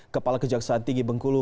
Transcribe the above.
kepala kejaksaan tinggi bengkulu